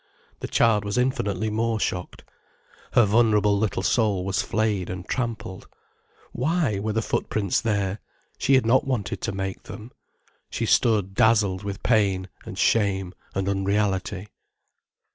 The child was infinitely more shocked. Her vulnerable little soul was flayed and trampled. Why were the foot prints there? She had not wanted to make them. She stood dazzled with pain and shame and unreality.